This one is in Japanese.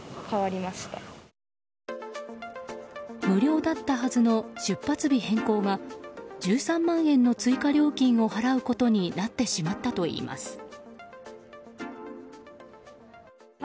無料だったはずの出発日変更が１３万円の追加料金を払うことになってしまったといいます。